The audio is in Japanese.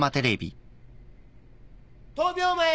１０秒前。